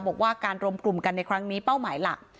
บอกว่าการรวมกลุ่มกันในครั้งนี้เป้าหมายหลัก